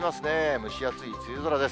蒸し暑い梅雨空です。